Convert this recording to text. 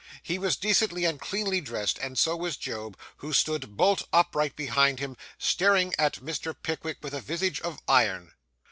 He was decently and cleanly dressed, and so was Job, who stood bolt upright behind him, staring at Mr. Pickwick with a visage of iron.